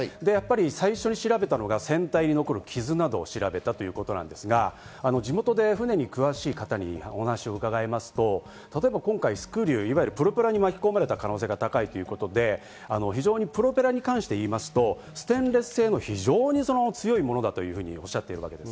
最初に調べたのが船体に残る傷などを調べたということですが、地元で船に詳しい方にお話を伺いますと、例えば今回スクリュー、プロペラに巻き込まれた可能性が高いということで、プロペラに関して言いますと、ステンレス製の非常に強いものだとおっしゃっているわけです。